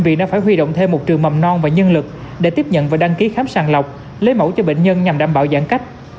viện đã phải huy động thêm một trường mầm non và nhân lực để tiếp nhận và đăng ký khám sàng lọc lấy mẫu cho bệnh nhân nhằm đảm bảo giãn cách